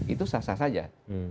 itu sah sah saja